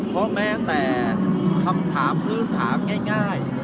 เพราะแม้แต่คำถามพื้นถามง่าย